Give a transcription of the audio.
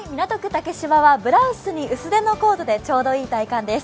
竹芝はブラウスに薄手のコートでちょうどいい体感です。